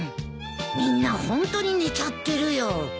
みんなホントに寝ちゃってるよ。